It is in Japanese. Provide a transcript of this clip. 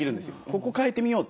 ここ変えてみよう。